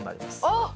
あっ！